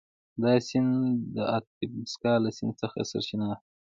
دا سیند د اتبسکا له سیند څخه سرچینه اخلي.